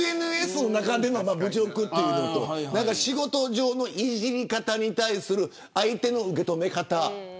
ＳＮＳの中での侮辱と仕事上のいじり方に対する相手の受け止め方